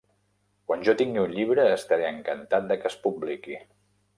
Quan jo tingui un llibre estaré encantat de que es publiqui.